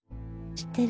「知ってる？